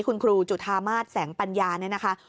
คุณครูจุธามาศแสงปัญญาเนี่ยนะคะ